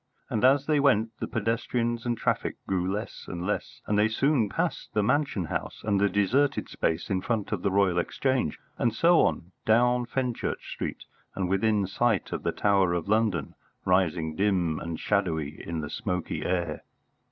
And, as they went, the pedestrians and traffic grew less and less, and they soon passed the Mansion House and the deserted space in front of the Royal Exchange, and so on down Fenchurch Street and within sight of the Tower of London, rising dim and shadowy in the smoky air.